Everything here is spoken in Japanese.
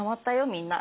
みんな。